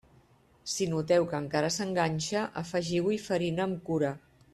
Si noteu que encara s'enganxa, afegiu-hi farina amb cura.